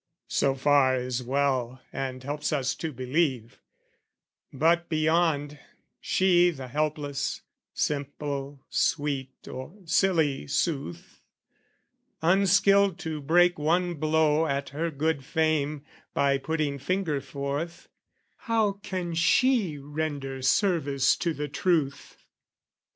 So far is well and helps us to believe: But beyond, she the helpless, simple sweet Or silly sooth, unskilled to break one blow At her good fame by putting finger forth, How can she render service to the truth?